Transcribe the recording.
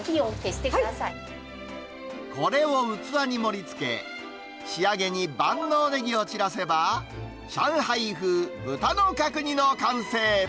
これを器に盛りつけ、仕上げに万能ネギを散らせば、上海風豚の角煮の完成。